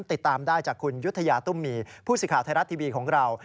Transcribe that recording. ติดตามได้จากคุณยุธยาตุ้มมีผู้สิทธิ์ไทยรัฐทีวีของเรา